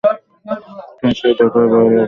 তোমার সাথে দেখা হয়ে ভালো লাগলো।